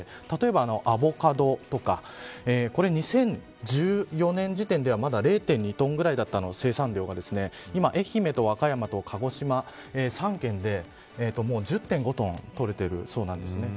例えば、アボカドとかこれ２０１４年時点ではまだ０．２トンぐらいだった生産量が今、愛媛と和歌山と鹿児島３県で１０．５トン取れているそうです。